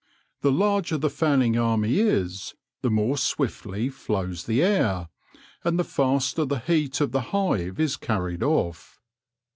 The larger the fanning army is, the more swiftly flows the air, and the faster the heat of the hive is carried off.